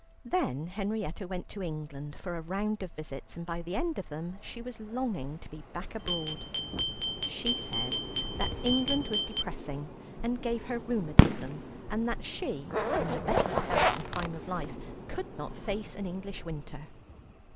Then Henrietta went to England for a round of visits, and by the end of them she was longing to be back abroad. She said that England was depressing, and gave her rheumatism, and that she (in the best of health and prime of life) could not face an English winter.